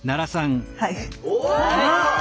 はい。